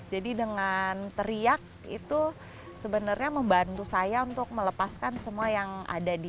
dengan teriak itu sebenarnya membantu saya untuk melepaskan semua yang ada di